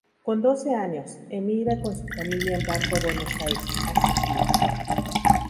Con doce años, emigra con su familia en barco a Buenos Aires, Argentina.